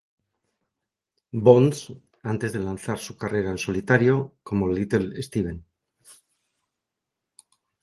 Bonds, antes de lanzar su carrera en solitario como Little Steven.